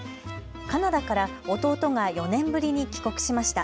カナダから弟が４年ぶりに帰国しました。